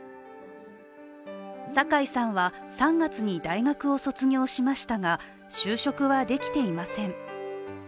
酒井さんは３月に大学を卒業しましたが就職は出来ていません。